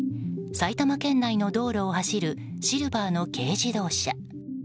埼玉県内の道路を走るシルバーの軽自動車。